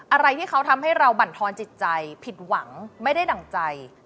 อะไรที่เขาทำให้เราบรรทอนจิตใจผิดหวังไม่ได้ดั่งใจ